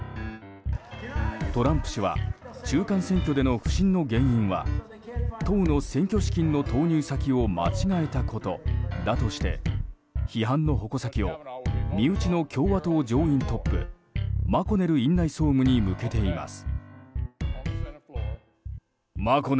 トランプ氏は中間選挙での不振の原因は党の選挙資金の投入先を間違えたことだとして批判の矛先を身内の共和党上院トップマコネル院内総務に向けています。